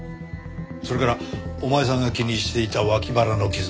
それからお前さんが気にしていた脇腹の傷